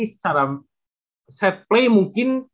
secara set play mungkin